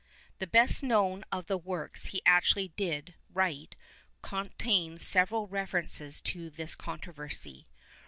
The best known of the works he actually did write con tains several references to this controversy.